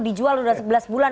dijual udah sebelas bulan